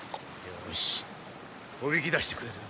よしおびき出してくれる。